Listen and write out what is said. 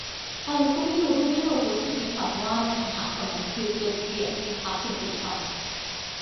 อะไรก็ไม่รู้ทำให้เรารู้สึกในฝัน ว่านายทหารคนนั้นคือ เกริกเกียรติ พิพัทธ์เสรีธรรม